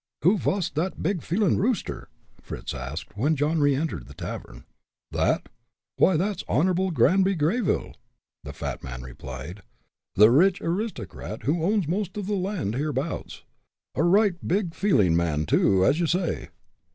"Who vas dot big feelin' rooster?" Fritz asked, when John re entered the tavern. "That? Why, that's Honorable Granby Greyville," the fat man replied "the rich haristocrat who owns most of the land hereabouts. A right big feeling man, too, as you say."